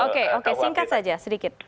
oke oke singkat saja sedikit